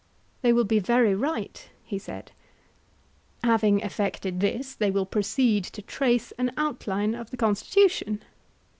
They will be very right, he said. Having effected this, they will proceed to trace an outline of the constitution?